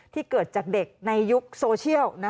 ที่เกิดจากเด็กในยุคโซเชียล